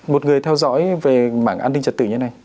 một người theo dõi về mảng an ninh trật tự như thế này